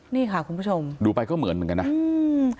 นี่ค่ะคุณผู้ชมดูไปก็เหมือนเหมือนกันนะอืม